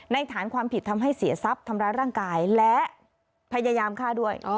ฐานความผิดทำให้เสียทรัพย์ทำร้ายร่างกายและพยายามฆ่าด้วย